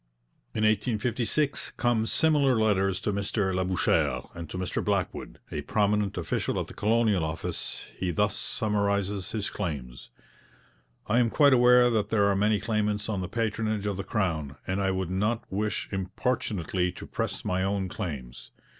In 1856 come similar letters to Mr Labouchere; and to Mr Blackwood, a prominent official at the Colonial Office, he thus summarizes his claims: 'I am quite aware that there are many claimants on the patronage of the Crown, and I would not wish importunately to press my own claims.